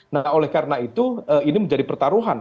nah oleh karena itu ini menjadi pertaruhan